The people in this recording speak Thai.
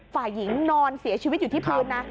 ฝ่ายหญิงนอนเสียชีวิตอยู่ที่พื้นนะ